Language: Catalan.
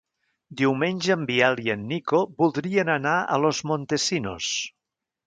Diumenge en Biel i en Nico voldrien anar a Los Montesinos.